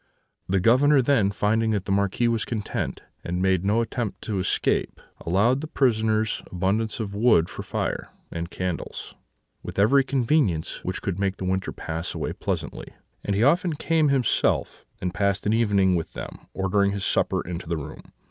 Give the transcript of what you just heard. The Governor then, finding that the Marquis was content, and made no attempt to escape, allowed the prisoners abundance of wood for fire, and candles, with every convenience which could make the winter pass away pleasantly; and he often came himself and passed an evening with them, ordering his supper into the room.